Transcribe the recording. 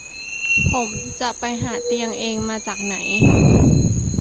ผมจะไปหาเตียงเองมาจากไหน